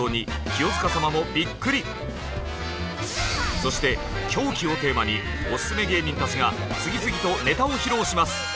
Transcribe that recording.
そして「狂気」をテーマにオススメ芸人たちが次々とネタを披露します。